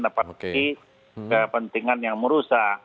apalagi kepentingan yang merusak